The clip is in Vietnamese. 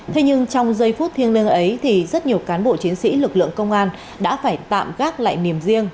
thế nhưng trong giây phút thiêng liêng ấy thì rất nhiều cán bộ chiến sĩ lực lượng công an đã phải tạm gác lại niềm riêng